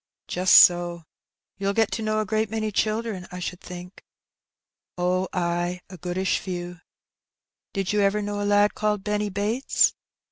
"Just so; you'll get to know a great many children, I should think ?*' "Oh, ay, a goodish few." '' Did you ever know a lad called Benny Bates